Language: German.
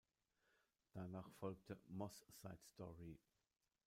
Danach folgte "Moss Side Story".